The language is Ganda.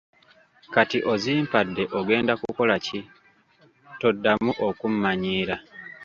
Kati azimpadde ogenda kukola ki, toddamu okummannyiira.